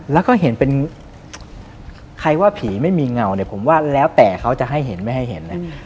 แล้วก็เห็นเป็นใครว่าผีไม่มีเงาเนี่ยผมว่าแล้วแต่เขาจะให้เห็นไม่ให้เห็นนะ